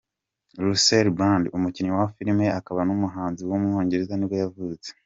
Russell Brand, umukinnyi wa filime akaba n’umuhanzi w’umwongereza nibwo yavutse.